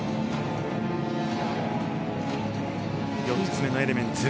４つ目のエレメンツ。